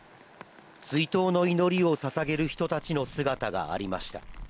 追悼の祈りをささげる人たちの姿がありました。